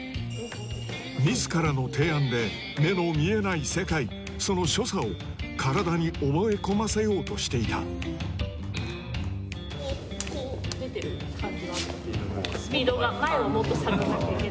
自らの提案で目の見えない世界その所作を体に覚え込ませようとしていたスピードがもっと前？